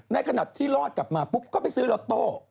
และขนาดที่รอดกลับมาปุ๊บก็ไปซื้อล็อโต้